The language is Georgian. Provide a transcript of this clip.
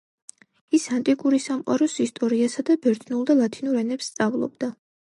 ის ანტიკური სამყაროს ისტორიასა და ბერძნულ და ლათინურ ენებს სწავლობდა.